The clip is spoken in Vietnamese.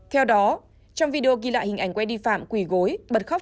theo đó trong video ghi lại hình ảnh quen đi phạm quỷ gối bật khóc